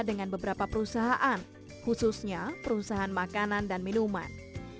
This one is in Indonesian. dengan beberapa perusahaan khususnya perusahaan makanan dan minuman